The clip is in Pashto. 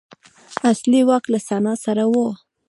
اصلي واک له سنا سره و.